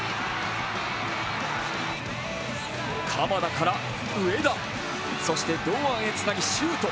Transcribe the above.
鎌田から上田、そして堂安へつなぎシュート。